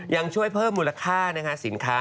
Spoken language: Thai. ยังช่วยเพิ่มมูลค่าสินค้า